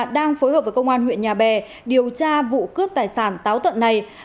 đang phối hợp với công an huyện nhà bè điều tra vụ cướp tài sản táo tận này